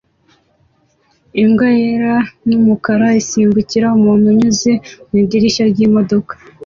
Imbwa yera n'umukara isimbukira umuntu unyuze mu idirishya ryimodoka